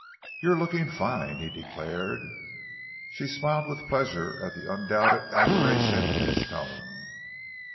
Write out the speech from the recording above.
"You're looking fine," he declared. She smiled with pleasure at the undoubted admiration in his tone.